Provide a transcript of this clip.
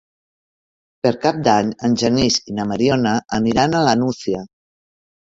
Per Cap d'Any en Genís i na Mariona aniran a la Nucia.